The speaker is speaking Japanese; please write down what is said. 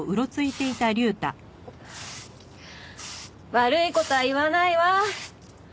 悪い事は言わないわ。